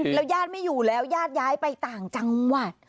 แล้วญาติไม่อยู่แล้วญาติย้ายไปต่างจังหวัด